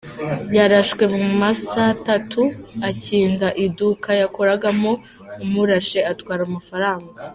Yarashwe mu ma saa tatu akinga iduka yakoragamo, uwamurashe atwara amafaranga.